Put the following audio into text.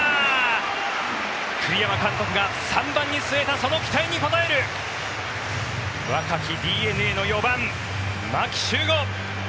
栗山監督が３番に据えたその期待に応える若きＤｅＮＡの４番、牧秀悟。